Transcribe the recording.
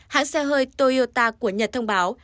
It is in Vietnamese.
hãng xe hơi toyota của nhật thông báo